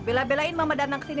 bela belain mama datang kesini